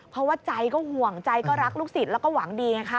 เพราะว่าใจก็ห่วงใจก็รักลูกศิษย์แล้วก็หวังดีไงคะ